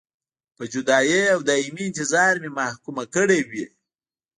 په جدایۍ او دایمي انتظار مې محکومه کړې وې.